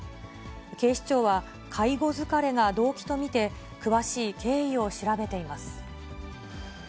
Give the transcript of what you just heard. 警視庁は、介護疲れが動機と見て、詳しい経緯を調べています。